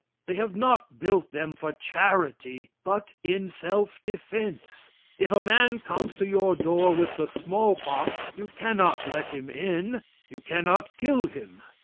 They have not built them for charity but in self defence. If a man comes to your door with the smallpox, you cannot let him in, you cannot kill him.